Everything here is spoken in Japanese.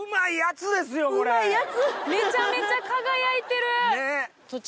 めちゃめちゃ輝いてる！ねぇ！